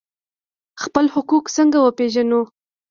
خپل حقوق څنګه وپیژنو؟